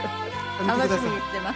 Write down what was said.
楽しみにしています。